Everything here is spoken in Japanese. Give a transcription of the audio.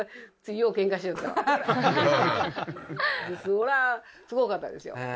それはすごかったですよへ